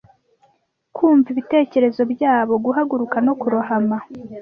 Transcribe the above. Kumva ibitekerezo byabo, guhaguruka no kurohama,